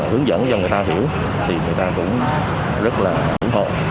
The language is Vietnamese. hướng dẫn cho người ta hiểu thì người ta cũng rất là ủng hộ